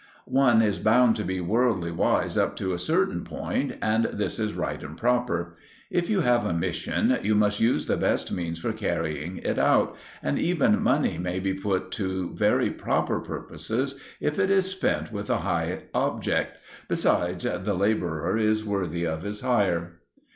One is bound to be worldly wise up to a certain point; and this is right and proper. If you have a mission, you must use the best means for carrying it out, and even money may be put to very proper purposes if it is spent with a high object. Besides, the labourer is worthy of his hire.